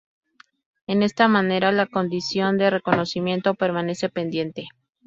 En esta manera la condición de reconocimiento permanece pendiente.